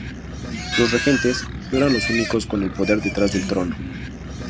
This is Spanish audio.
Los regentes no eran los únicos con el poder detrás del trono.